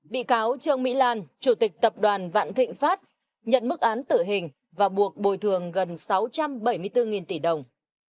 bị cáo trương mỹ lan chủ tịch tập đoàn vạn thịnh pháp nhận mức án tử hình và buộc bồi thường gần sáu trăm bảy mươi bốn tỷ đồng